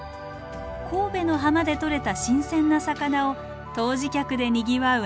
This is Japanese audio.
神戸の浜で取れた新鮮な魚を湯治客でにぎわう